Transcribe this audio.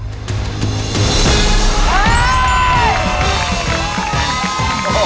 เฮ้ย